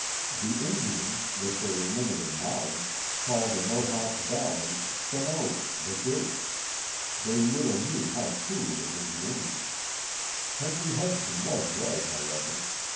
The Indians, with their limited knowledge, call the Mo hawk Valley Schonowe," the Gate. They little knew how truly it was named. Henry Hudson was right, however.